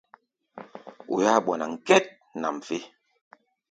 Oi-áa ɓɔná ŋgɛt nʼam fé.